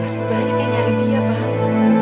pasti banyak yang nyari dia bang